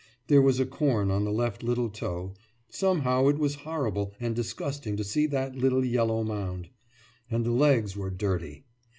There was a corn on the left little toe ... somehow it was horrible and disgusting to see that little yellow mound. And the legs were dirty.